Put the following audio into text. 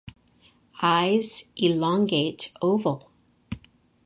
Eyes elongate oval.